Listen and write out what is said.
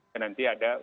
dan nanti ada